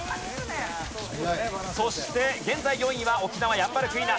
そして現在４位は沖縄ヤンバルクイナ。